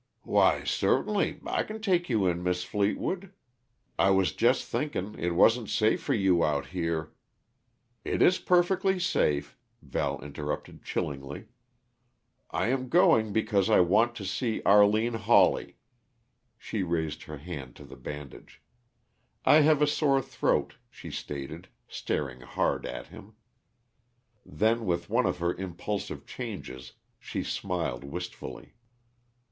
"Why, certainly, I c'n take you in, Mis' Fleetwood. I was jest thinkn' it wa'n't safe for you out here " "It is perfectly safe," Val interrupted chillingly. "I am going because I Want to see Arline Hawley." She raised her hand to the bandage. "I have a sore throat," she stated, staring hard at him. Then, with one of her impulsive changes, she smiled wistfully.